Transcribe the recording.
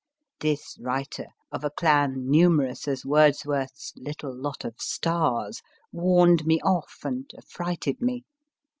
This writer, of a clan numerous as Wordsworth s * little lot of stars, warned me off and affrighted me.